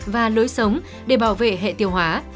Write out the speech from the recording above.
và lối sống để bảo vệ hệ tiêu hóa